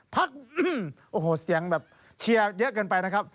พักโอ้โหเสียงแบบเชียร์เยอะเกินไปนะครับ